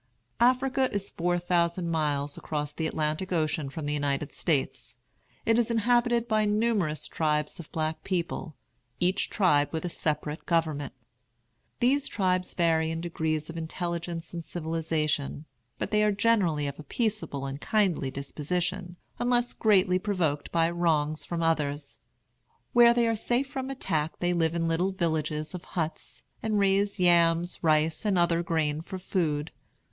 Africa is four thousand miles across the Atlantic Ocean from the United States. It is inhabited by numerous tribes of black people, each tribe with a separate government. These tribes vary in degrees of intelligence and civilization; but they are generally of a peaceable and kindly disposition, unless greatly provoked by wrongs from others. Where they are safe from attack they live in little villages of huts, and raise yams, rice, and other grain for food.